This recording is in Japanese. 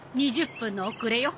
２０分の遅れよ。